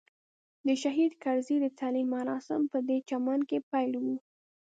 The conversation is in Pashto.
د شهید کرزي د تلین مراسم پدې چمن کې پیل وو.